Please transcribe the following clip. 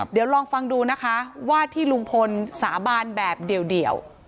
เดี๋ยวลองฟังดูนะคะว่าที่ลุงพลสาบานแบบเดี่ยว